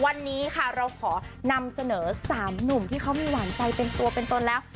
วันนี้ค่ะเราขอนำเสนอ๓หนุ่มที่เขามีหวานใจเป็นตัวเป็นตนแล้ว